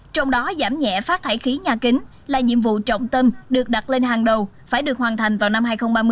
trong đó giảm nhẹ phát thải khí nhà kính là nhiệm vụ trọng tâm được đặt lên hàng đầu phải được hoàn thành vào năm hai nghìn ba mươi